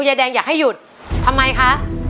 ยายแดงอยากให้หยุดทำไมคะ